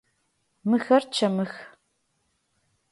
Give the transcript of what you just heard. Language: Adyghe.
Мыхэр чэмых.